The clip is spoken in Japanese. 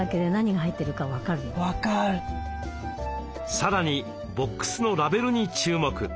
さらにボックスのラベルに注目！